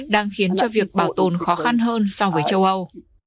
đang khiến cho việc bảo tồn khó khăn hơn so với châu âu